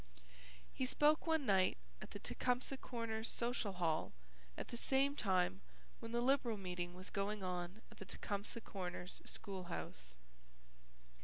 He spoke one night at the Tecumseh Corners social hall at the same time when the Liberal meeting was going on at the Tecumseh Corners school house.